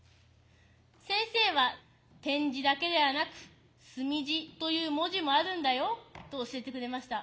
先生は「点字だけではなく墨字という文字もあるんだよ」と教えてくれました。